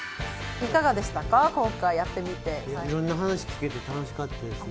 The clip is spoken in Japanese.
いろんな話聞けて楽しかったですね。